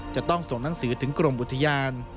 จะต้องส่งหนังสือถึงกรมอุทยาน